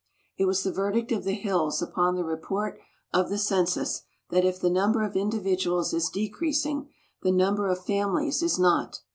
It was the verdict of the hills upon the report of the census that if the number of individuals is decreasing, the number of families is not.